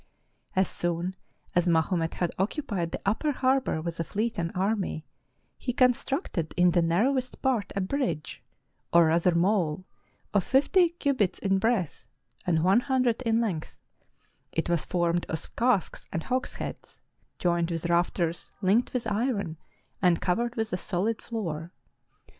As soon as Mahomet had occupied the upper harbor 481 TURKEY with a fleet and army, he constructed, in the narrowest part, a bridge, or rather mole, of fifty cubits in breadth, and one hundred in length: it was formed of casks and hogsheads; joined with rafters, linked with iron, and covered with a solid floor.